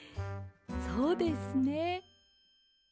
そうですね。